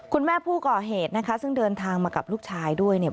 คุณแม่ผู้ก่อเหตุนะคะซึ่งเดินทางมากับลูกชายด้วยเนี่ย